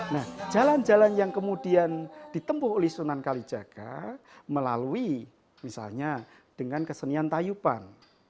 nah jalan jalan yang kemudian ditempuh oleh sunan kalijaga melalui misalnya dengan kesenian tayupan